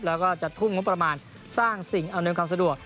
แล้วก็จะทุ่มงบประมาณสร้างสิ่งอำนวยความสะดวก